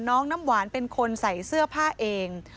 น้ำหวานเป็นคนใส่เสื้อผ้าเอง